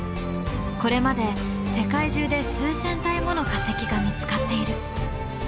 これまで世界中で数千体もの化石が見つかっている。